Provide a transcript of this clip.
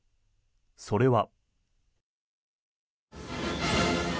それは。